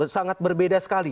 sangat berbeda sekali